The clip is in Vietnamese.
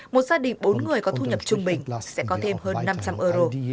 một gia đình bốn người có thu nhập trung bình sẽ có thêm hơn năm trăm linh euro